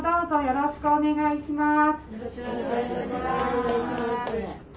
よろしくお願いします。